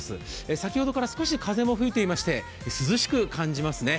先ほどから少し風も吹いていまして涼しく感じますね。